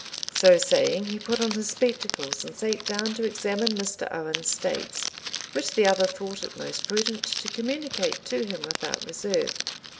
So saying, he put on his spectacles, and sate down to examine Mr. Owen's states, which the other thought it most prudent to communicate to him without reserve.